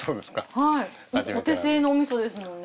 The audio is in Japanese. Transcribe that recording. はいお手製のお味噌ですもんね。